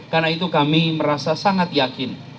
karena itu kami merasa sangat yakin